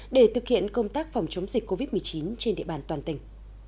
để thực hiện công tác phòng chống dịch covid một mươi chín trên địa bàn toàn tỉnh